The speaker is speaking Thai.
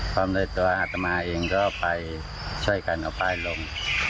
ความเร็จตัวอาตมาเองก็ไปช่วยกันเอาป้ายลง